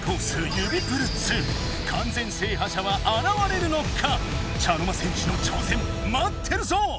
「指プル２」完全制覇者はあらわれるのか⁉茶の間戦士の挑戦まってるぞ！